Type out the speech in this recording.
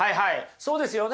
そうですね。